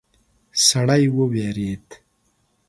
سړی وویرید.